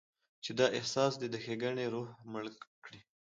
چې دا احساس دې د ښېګڼې روح مړ کړي.